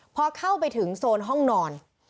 พอเข้าไปถึงโซนห้องนอน